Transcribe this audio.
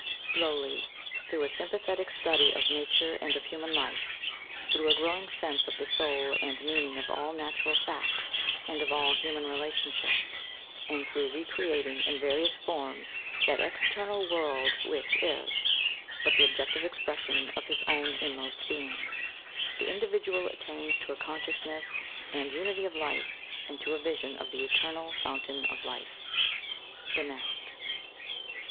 Slowly, through a sympathetic study of nature and of human life, through a growing sense of the soul and meaning of all natural facts and of all human relationships, and through recreating in various forms that external world which is but the objective expression of his own inmost being, the individual attains to a consciousness and unity of life and to a vision of the Eternal Fountain of Life. _The Nest.